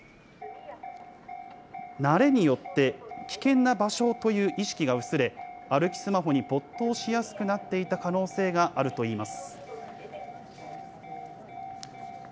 慣れによって、危険な場所という意識が薄れ、歩きスマホに没頭しやすくなっていた可能性があるといいます。